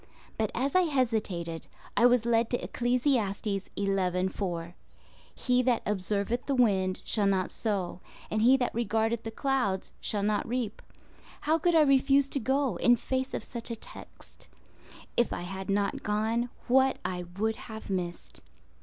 But as I hesitated, I was led to Ecclesiastes 11:4—"He that observeth the wind shall not sow, and he that regardeth the clouds shall not reap." How could I refuse to go, in face of such a text? If I had not gone, what I would have missed!